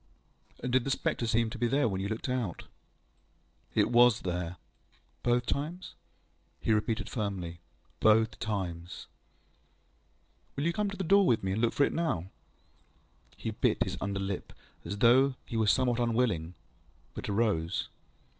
ŌĆØ ŌĆ£And did the spectre seem to be there, when you looked out? ŌĆØ ŌĆ£It WAS there. ŌĆØ ŌĆ£Both times? ŌĆØ He repeated firmly: ŌĆ£Both times. ŌĆØ ŌĆ£Will you come to the door with me, and look for it now? ŌĆØ He bit his under lip as though he were somewhat unwilling, but arose.